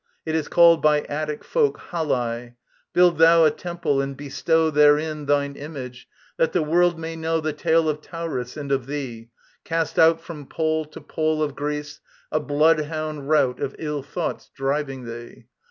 It is called by Attic folk Halae. Build there a temple, and bestow Therein thine Image, that the world may know The tale of Tauris and of thee, cast out From pole to pole of Greece, a blood hound rout Of ill thoughts driving thee.